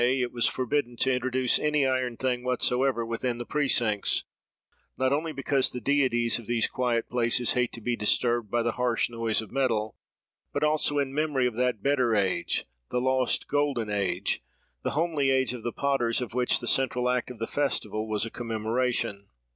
it was forbidden to introduce any iron thing whatsoever within the precincts; not only because the deities of these quiet places hate to be disturbed by the harsh noise of metal, but also in memory of that better age—the lost Golden Age—the homely age of the potters, of which the central act of the festival was a commemoration.